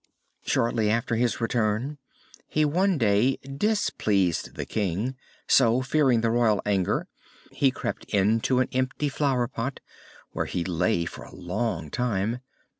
Shortly after his return, he one day displeased the King, so, fearing the royal anger, he crept into an empty flower pot, where he lay for a long time.